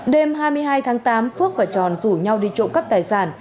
đêm hai mươi hai tháng tám phước và tròn rủ nhau đi trộm cắp tài sản